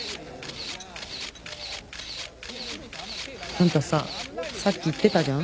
あんたささっき言ってたじゃん。